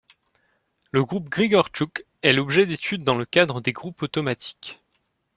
Le groupe de Grigorchuk est l'objet d'étude dans le cadre des groupes automatiques.